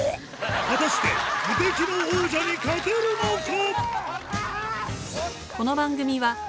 果たして無敵の王者に勝てるのか？